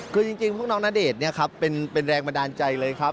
คือจริงพวกน้องณเดชน์เป็นแรงบันดาลใจเลยครับ